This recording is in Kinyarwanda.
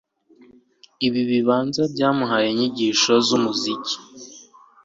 Ibi bibanza byamuhaye inyigisho zumuziki